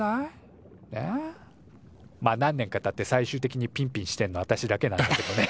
まっ何年かたって最終的にピンピンしてんのはあたしだけなんだけどね。